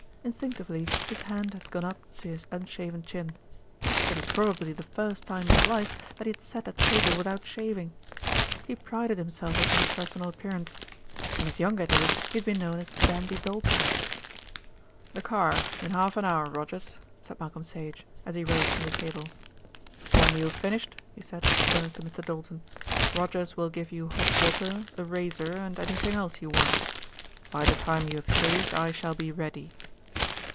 Instinctively his hand had gone up to his unshaven chin. It was probably the first time in his life that he had sat at table without shaving. He prided himself upon his personal appearance. In his younger days he had been known as "Dandy Doulton." "The car in half an hour, Rogers," said Malcolm Sage, as he rose from the table. "When you've finished," he said, turning to Mr. Doulton, "Rogers will give you hot water, a razor and anything else you want. By the time you have shaved I shall be ready."